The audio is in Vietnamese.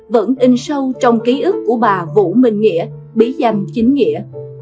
vẫn in sâu trong ký ức của bà vũ minh nghĩa bí danh chính nghĩa